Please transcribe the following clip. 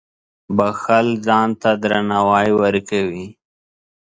• بښل ځان ته درناوی ورکوي.